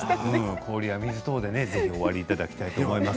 氷や水等でお割りいただきたいと思います。